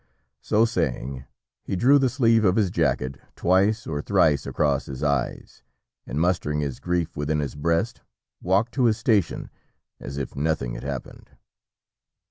So saying, he drew the sleeve of his jacket twice or thrice across his eyes, and mustering his grief within his breast, walked to his station as if nothing had happened.